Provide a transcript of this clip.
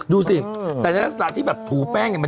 ดูสิเหมือนแอร์ฟาสระที่แบบถูแป้งเนี่ย